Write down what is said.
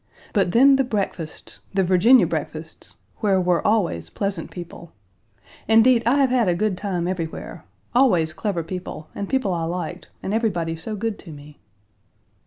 But then the breakfasts the Virginia breakfasts where were always pleasant people. Indeed, I have had a good time everywhere always clever people, and people I liked, and everybody so good to me.